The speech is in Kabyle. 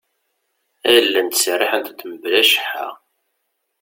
Allen ttseriḥent-d mebla cceḥḥa.